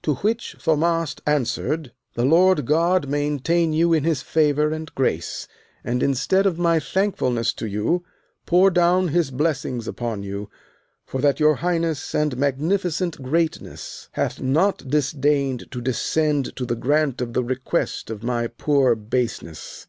To which Thaumast answered: The Lord God maintain you in his favour and grace, and, instead of my thankfulness to you, pour down his blessings upon you, for that your highness and magnificent greatness hath not disdained to descend to the grant of the request of my poor baseness.